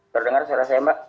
terdengar suara saya mbak